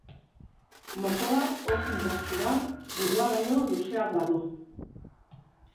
Mokoa, oso indartsua, burua baino luzeagoa du.